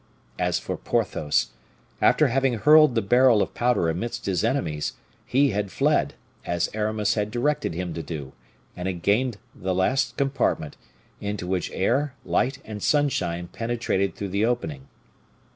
As for Porthos, after having hurled the barrel of powder amidst his enemies, he had fled, as Aramis had directed him to do, and had gained the last compartment, into which air, light, and sunshine penetrated through the opening.